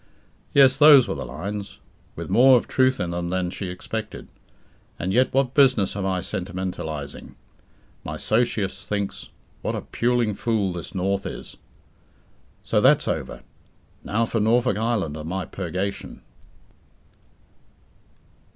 Yes, those were the lines. With more of truth in them than she expected; and yet what business have I sentimentalizing. My socius thinks "what a puling fool this North is!" So, that's over! Now for Norfolk Island and my purgation.